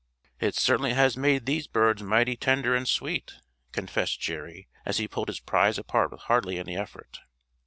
"It certainly has made these birds mighty tender and sweet," confessed Jerry, as he pulled his prize apart with hardly any effort.